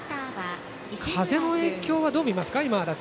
風の影響はどう見ますか。